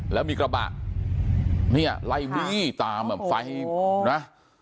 แล้วมีกระบะเนี่ยไล่บี้ตามแบบไฟนะ